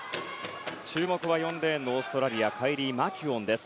注目は４レーンのオーストラリアカイリー・マキュオンです。